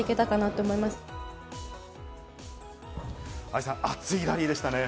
愛さん、熱いラリーでしたね。